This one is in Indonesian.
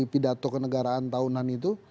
pidato kenegaraan tahunan itu